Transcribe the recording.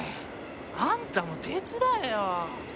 あんたも手伝えよ！